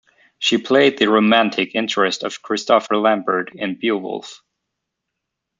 She played the romantic interest of Christopher Lambert in "Beowulf".